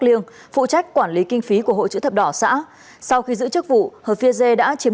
liêng phụ trách quản lý kinh phí của hội chữ thập đỏ xã sau khi giữ chức vụ hợp phia re đã chiếm